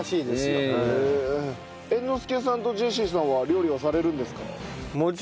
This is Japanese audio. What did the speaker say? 猿之助さんとジェシーさんは料理はされるんですか？